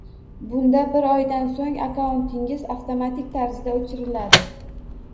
Bunda bir oydan so’ng akkauntingiz avtomatik tarzda o’chiriladi